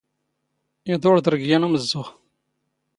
ⵉⴹⵓⵕⴹⵕ ⴳ ⵢⴰⵏ ⵓⵎⵣⵣⵓⵖ.